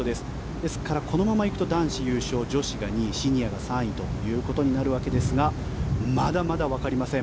ですから、このままいくと女子が優勝、男子２位シニアが３位ということになるわけですがまだまだわかりません。